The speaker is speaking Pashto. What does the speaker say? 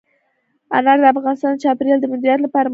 انار د افغانستان د چاپیریال د مدیریت لپاره مهم دي.